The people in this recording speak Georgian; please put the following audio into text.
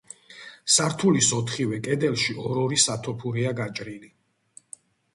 სართულის ოთხივე კედელში ორ-ორი სათოფურია გაჭრილი.